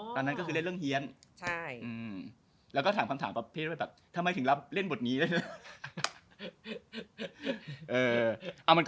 ถ้าคอลัมนิสก็ต้องถามอะไรเหี้ยงง่าย